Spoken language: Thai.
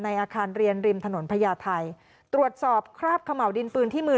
อาคารเรียนริมถนนพญาไทยตรวจสอบคราบเขม่าวดินปืนที่มือ